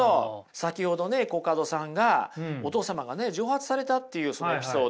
先ほどねコカドさんがお父様がね蒸発されたっていうそのエピソード